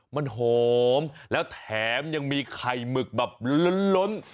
มันหอมแล้วแถมยังมีไข่หมึกแบบล้น